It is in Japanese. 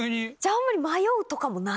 あんまり迷うとかもない？